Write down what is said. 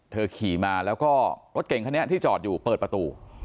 ขี่มาแล้วก็รถเก่งคันนี้ที่จอดอยู่เปิดประตู